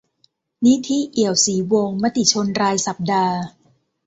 นิธิ เอียวศรีวงศ์ มติชนรายสัปดาห์